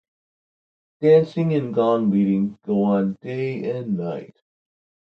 Dancing and gong-beating go on day and night.